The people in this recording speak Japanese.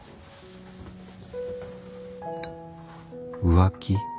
浮気？